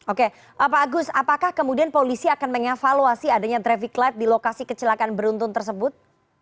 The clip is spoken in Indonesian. oke pak agus apakah kemudian polisi akan mengevaluasi adanya traffic light di lokasi kecelakaan beruntun tersebut